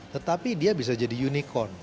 tetapi dia bisa jadi unicorn